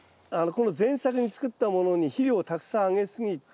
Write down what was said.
この前作に作ったものに肥料をたくさんあげすぎて。